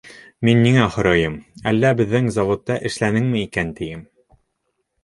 Мин ниңә һорайым: әллә беҙҙең заводта эшләнеңме икән, тием.